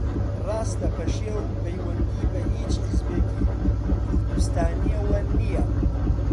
ڕاستە پەشێو پەیوەندی بە ھیچ حیزبێکی کوردستانییەوە نییە